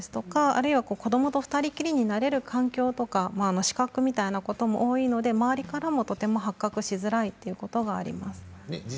あるいは、子どもと２人きりになれる環境とか死角みたいなものも多いので周りからもとても発覚しづらいということがあります。